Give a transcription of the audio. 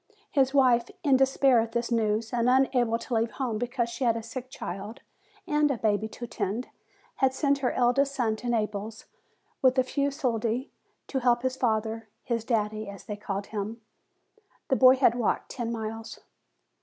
His wife, in despair at this news, and unable to leave home because she had a sick child, and a baby to tend, had sent her eldest son to Naples, with a few soldi, to help his father his daddy, as they called him. The boy had walked ten miles.